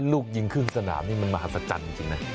ลูกยิงขึ้นสนามนี่มันมาศจันทร์จริงนะ